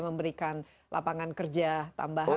memberikan lapangan kerja tambahan